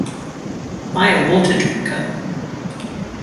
By a water-drinker.